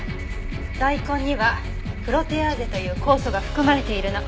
大根にはプロテアーゼという酵素が含まれているの。